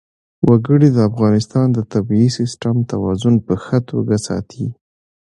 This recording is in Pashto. وګړي د افغانستان د طبعي سیسټم توازن په ښه توګه ساتي.